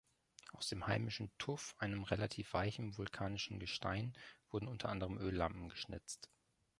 Aus dem heimischen Tuff, einem relativ weichen vulkanischen Gestein, wurden unter anderem Öllampen geschnitzt.